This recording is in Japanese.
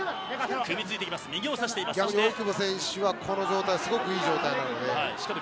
扇久保選手はこの状態がすごくいい状態なので。